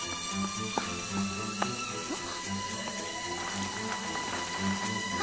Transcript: ・あっ！